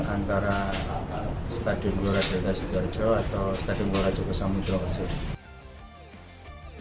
antara stadion glora delta sidoarjo atau stadion gelora joko samudro kecil